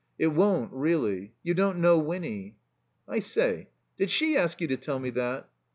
It won't, really. You don't know Winny." '*I say, did she ask you to tell me that?"